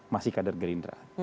masih kader gerindra